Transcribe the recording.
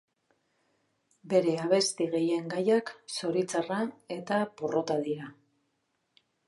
Bere abesti gehienen gaiak zoritxarra eta porrota dira.